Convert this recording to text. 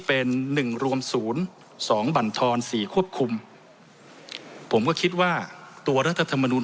เป็นหนึ่งรวมศูนย์สองบรรทรสี่ควบคุมผมก็คิดว่าตัวรัฐธรรมนูล